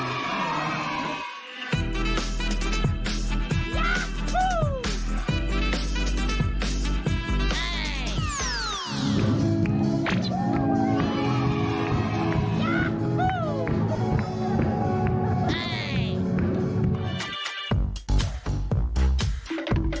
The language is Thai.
ในวันนี้ก็เป็นการประเดิมถ่ายเพลงแรก